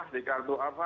di kartu apa